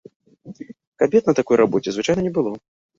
Кабет на такой рабоце звычайна не было.